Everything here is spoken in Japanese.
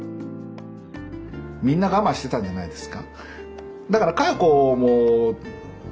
みんな我慢してたんじゃないですか。